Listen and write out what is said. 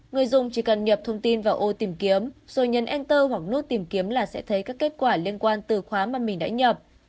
người dùng chỉ cần nhập thông tin vào ô tìm kiếm rồi nhấn enter hoặc nốt tìm kiếm là sẽ thấy các kết quả liên quan từ khóa mà mình đã nhập